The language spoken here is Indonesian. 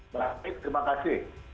berhasil terima kasih